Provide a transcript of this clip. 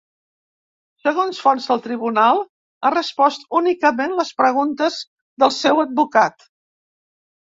Segons fonts del tribunal, ha respost únicament les preguntes del seu advocat.